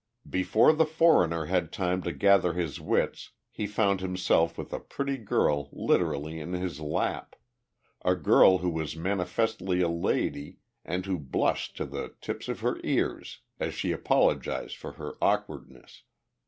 Before the foreigner had time to gather his wits, he found himself with a pretty girl literally in his lap a girl who was manifestly a lady and who blushed to the tips of her ears as she apologized for her awkwardness.